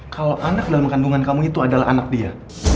kalau anak dalam kandungan kamu itu adalah anak dia